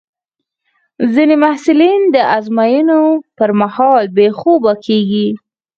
ځینې محصلین د ازموینو پر مهال بې خوبه کېږي.